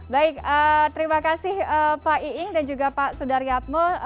baik terima kasih pak iing dan juga pak sudaryatmo